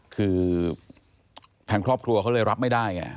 คือทางครอบครัวเขาเลยรับไม่ได้ไง